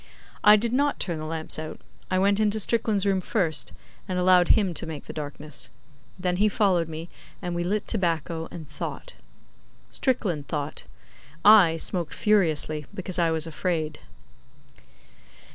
I did not turn the lamps out. I went into Strickland's room first, and allowed him to make the darkness. Then he followed me, and we lit tobacco and thought. Strickland thought. I smoked furiously, because I was afraid.